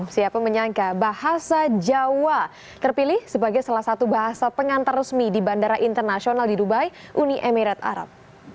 siapa menyangka bahasa jawa terpilih sebagai salah satu bahasa pengantar resmi di bandara internasional di dubai uni emirat arab